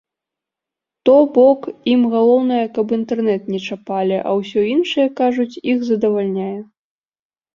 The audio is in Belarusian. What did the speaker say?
То бок ім галоўнае каб інтэрнэт не чапалі, а ўсё іншае, кажуць, іх задавальняе.